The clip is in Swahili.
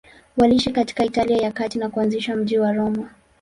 Waliishi katika Italia ya Kati na kuanzisha mji wa Roma.